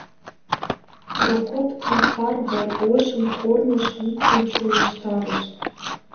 Прокоп тулпар гай ожым корныш луктын чоҥештарыш.